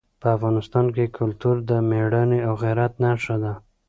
په افغانستان کې کلتور د مېړانې او غیرت نښه ده.